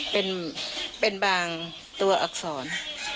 เป็นเป็นบางตัวอักษร